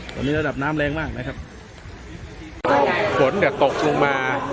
ตอนนี้ระดับน้ำแรงมากนะครับฝนก็ตกลงมา